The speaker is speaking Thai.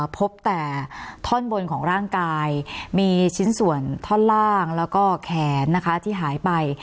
พบแต่ท่อนบนของร่างกายมีชิ้นส่วนท่อนล่างแล้วก็แขนนะคะที่หายไป